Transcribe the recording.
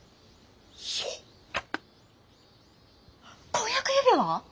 婚約指輪⁉